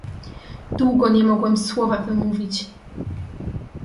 "Długo nie mogłem słowa wymówić."